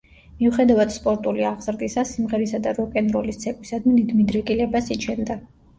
მიუხედავად სპორტული აღზრდისა, სიმღერისა და როკ-ენ-როლის ცეკვისადმი დიდ მიდრეკილებას იჩენდა.